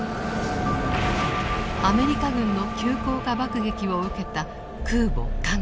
アメリカ軍の急降下爆撃を受けた空母「加賀」。